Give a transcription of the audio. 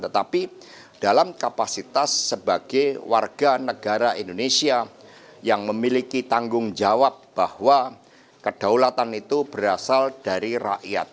tetapi dalam kapasitas sebagai warga negara indonesia yang memiliki tanggung jawab bahwa kedaulatan itu berasal dari rakyat